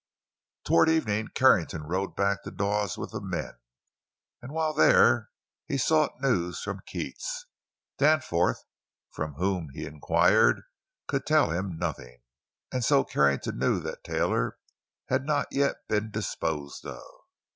Toward evening Carrington rode back to Dawes with the men; and while there he sought news from Keats. Danforth, from whom he inquired, could tell him nothing, and so Carrington knew that Taylor had not yet been disposed of.